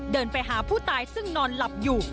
เดินไปหาผู้ตายซึ่งนอนหลับอยู่